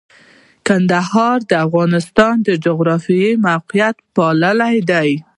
کندهار د افغانستان د جغرافیایي موقیعت پایله ده.